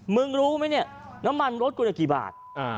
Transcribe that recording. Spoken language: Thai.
มึงรู้ไหมนี่น้ำมันลดกว่าหนึ่งกี่บาท